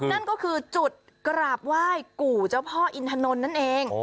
นั่นก็คือจุดกราบไหว้กู่เจ้าพ่ออินทนนท์นั่นเอง